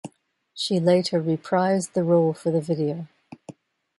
She later reprised the role for the video.